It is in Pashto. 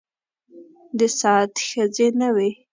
د سعد ښځې نه وې.